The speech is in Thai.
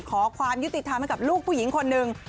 ขอความยุติธรรมให้กับลูกผู้หญิงคนหนึ่ง